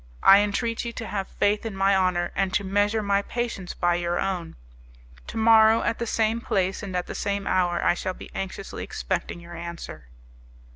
I entreat you to have faith in my honour, and to measure my patience by your own. Tomorrow, at the same place and at the same hour, I shall be anxiously expecting your answer."